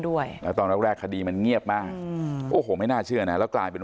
ด้วยแล้วตอนแรกแรกคดีมันเงียบมากโอ้โหไม่น่าเชื่อนะแล้วกลายเป็น